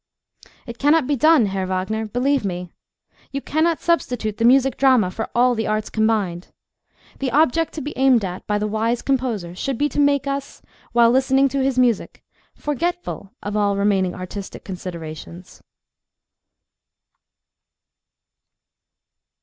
It cannot be done, Herr Wagner, believe me. You cannot substitute the music drama for all the arts combined. The object to be aimed at by the wise composer should be to make us, while listening to his music, forgetful of all remaining artistic considerations.